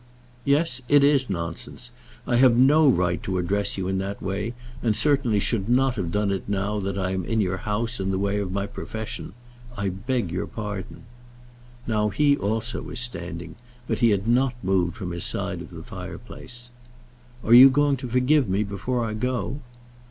"Yes; it is nonsense. I have no right to address you in that way, and certainly should not have done it now that I am in your house in the way of my profession. I beg your pardon." Now he also was standing, but he had not moved from his side of the fireplace. "Are you going to forgive me before I go?"